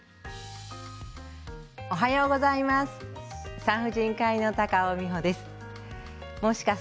おはようございます。